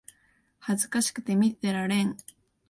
恥ずかしくて見てられん